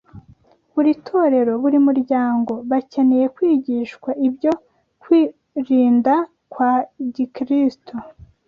Buri torero, buri muryango, bakeneye kwigishwa ibyo kwirinda kwa Gikristo